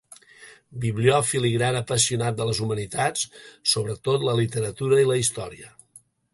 Bibliòfil i gran apassionat de les humanitats, sobretot la literatura i la història.